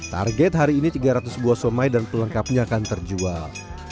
target hari ini tiga ratus buah somai dan pelengkapnya akan terjual